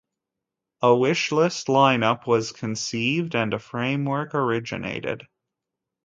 A wish list lineup was conceived and a framework originated.